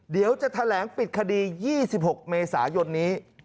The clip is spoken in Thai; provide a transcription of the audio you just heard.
เดี๋ยวจะแถลงปิดคดี๒๖เมษายนนี้